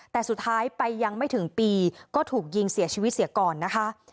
แต่สุดท้ายไปยังไม่ถึงปีก็ถูกยิงเสียชีวิตเสียก่อนนะคะ